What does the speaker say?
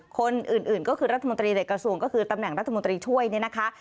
คนอื่นก็คือรัฐมนตรีในกระทรวงก็คือตำแหน่งรัฐมนตรีช่วยเนี่ยนะคะ